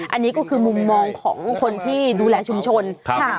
อันนี้ก็คือมุมมองของคนที่ดูแลชุมชนค่ะ